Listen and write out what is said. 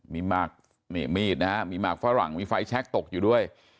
มีหมากนี่มีดนะฮะมีหมากฝรั่งมีไฟแชคตกอยู่ด้วย